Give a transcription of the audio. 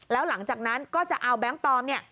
แล้วหลังจากนั้นก็จะเอาแบงค์ปลอมเนี่ย